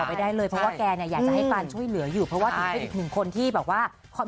ไปได้เลยเพราะว่าแกเนี่ยอยากจะให้การช่วยเหลืออยู่เพราะว่าถือเป็นอีกหนึ่งคนที่แบบว่าความ